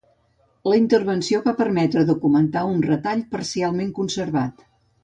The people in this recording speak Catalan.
La intervenció va permetre documentar un retall parcialment conservat.